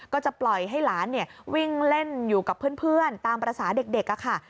ก็จะปล่อยให้หลานวิ่งเล่นอยู่กับเพื่อนตามภาษาเด็กค่ะ